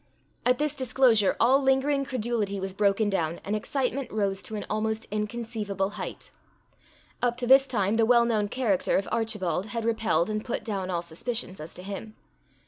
At this disclosure, all lingering credulity was broken down, and excitement rose to an almost inconceivable height. Up to this time the well known character of Archibald had repelled and put down all suspicions as to him.